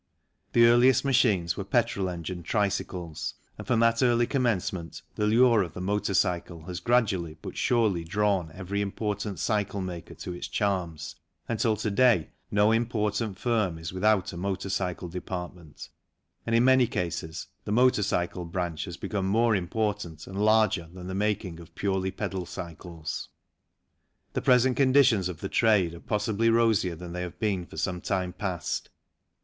The earliest machines were petrol engined tricycles, and from that early commencement the lure of the motor cycle has gradually but surely drawn every important cycle maker to its charms until to day no important firm is FIG. 20 THE SPARKBROOK ROADSTER A soundly constructed machine made by an old established concern without a motor cycle department, and in many cases the motor cycle branch has become more important and larger than the making of purely pedal cycles. The present conditions of the trade are possibly rosier than they have been for some time past.